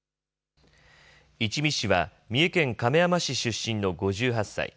一見氏は三重県亀山市出身の５８歳。